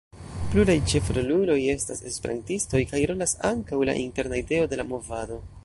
Pluraj ĉefroluloj estas esperantistoj, kaj rolas ankaŭ la interna ideo de la movado.